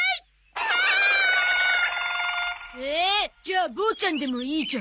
わあっ！えじゃあボーちゃんでもいいじゃん。